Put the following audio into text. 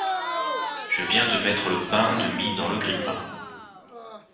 Je viens de mettre le pain de mie dans le grille-pain.